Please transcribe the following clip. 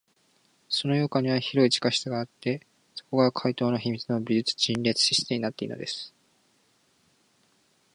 その洋館には広い地下室があって、そこが怪盗の秘密の美術陳列室になっているのです。